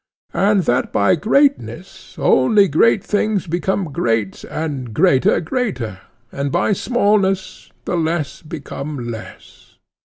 And that by greatness only great things become great and greater greater, and by smallness the less become less?